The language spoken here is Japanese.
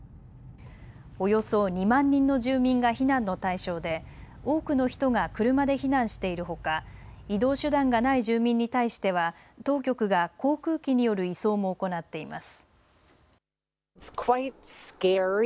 およそ２万人の住民が避難の対象で、多くの人が車で避難しているほか移動手段がない住民に対しては当局が航空機による移送も行っています。